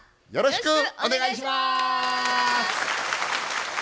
よろしくお願いします。